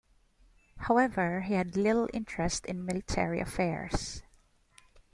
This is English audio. However, he had little interest in military affairs.